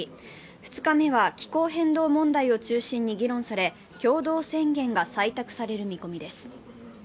２日目は気候変動問題を中心に議論され共同宣言が採択される見込みです。